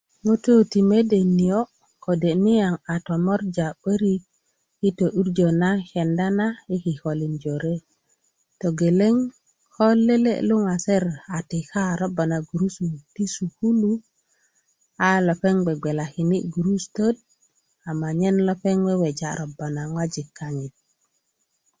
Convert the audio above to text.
ŋutu ti mede niyo' kode' niyaŋ a tomorja 'börik yi to'durjö na kenda na yi kikolin jore togeleŋ ko lele' luŋaser a tika ko robba na gurusu ti sukulu a lepeŋ b'gbegbelakini' gurusutöt amnyen lepeŋ bubulö robba na ŋojik kanyit